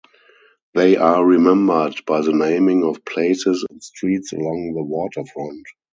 They are remembered by the naming of places and streets along the waterfront.